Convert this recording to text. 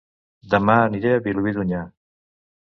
Dema aniré a Vilobí d'Onyar